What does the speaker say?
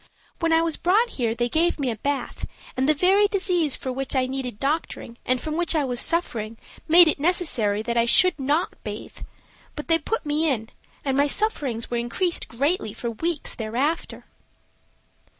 When I was brought here they went to give me a bath, and the very disease for which I needed doctoring and from which I was suffering made it necessary that I should not bathe. But they put me in, and my sufferings were increased greatly for weeks thereafter."